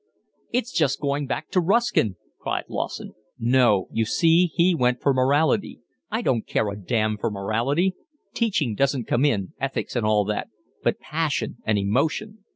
"It's just going back to Ruskin," cried Lawson. "No—you see, he went for morality: I don't care a damn for morality: teaching doesn't come in, ethics and all that, but passion and emotion.